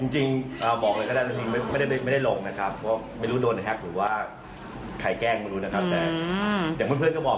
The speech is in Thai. จริงบอกเลยก็ได้จริงไม่ได้หลงนะครับ